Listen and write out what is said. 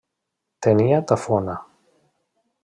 Tenia tafona.